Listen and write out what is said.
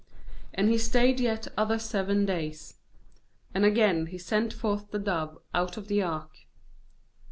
10And he stayed yet other seven days; and again he sent forth the dove out of the ark.